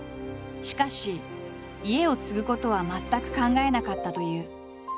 しかし家を継ぐことは全く考えなかったという。